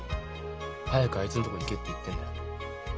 「早くあいつのとこ行け」って言ってるんだよ。